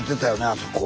あそこ。